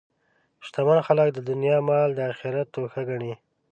شتمن خلک د دنیا مال د آخرت توښه ګڼي.